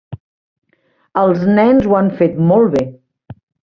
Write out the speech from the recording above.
Els nens ho han fet molt bé.